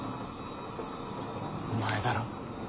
お前だろ？